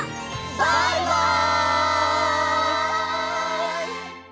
バイバイ！